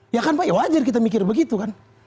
ya kan pak ya wajar kita mikir begitu kan